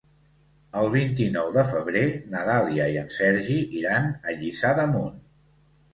El vint-i-nou de febrer na Dàlia i en Sergi iran a Lliçà d'Amunt.